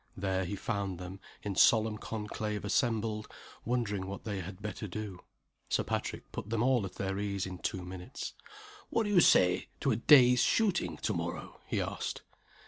There he found them, in solemn conclave assembled, wondering what they had better do. Sir Patrick put them all at their ease in two minutes. "What do you say to a day's shooting to morrow?" he asked.